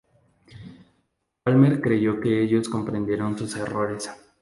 Palmer creyó que ellos comprendieron sus errores.